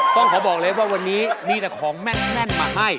ต้องขอบอกเลยว่าวันนี้มีแต่ของแม่นมาให้